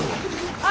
あっ！